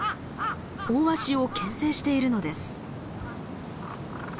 オオワシをけん制しているのです。